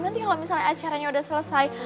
nanti kalau misalnya acaranya udah selesai